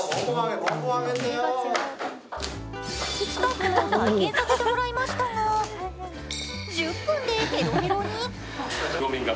スタッフも体験させてもらいましたが１０分でヘロヘロに。